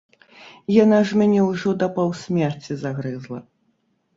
Яна ж мяне ўжо да паўсмерці загрызла.